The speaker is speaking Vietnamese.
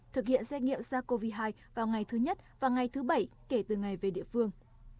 thực hiện xét nghiệm sars cov hai vào ngày thứ nhất và ngày thứ bảy kể từ ngày về địa phương